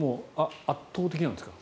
圧倒的なんですか？